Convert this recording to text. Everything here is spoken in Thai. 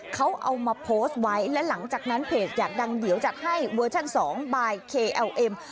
เขาเอามาโพสต์ไว้และหลังจากนั้นเพจอยากดังเดี๋ยวจัดให้เวอร์ชั่น๒บายเคเอลเอ็ม